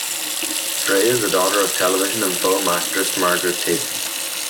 Drey is the daughter of television and film actress Margaret Teele.